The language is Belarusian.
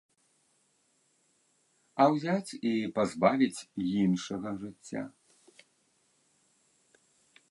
А ўзяць і пазбавіць іншага жыцця.